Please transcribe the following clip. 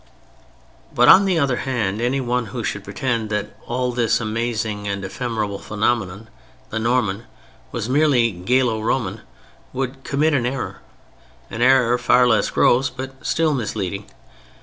But on the other hand, anyone who should pretend that this amazing and ephemeral phenomenon, the Norman, was merely Gallo Roman, would commit an error: an error far less gross but still misleading.